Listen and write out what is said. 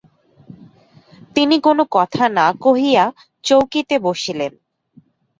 তিনি কোনো কথা না কহিয়া চৌকিতে বসিলেন।